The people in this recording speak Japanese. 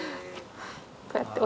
こうやって。